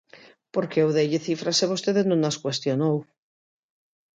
Porque eu deille cifras e vostede non as cuestionou.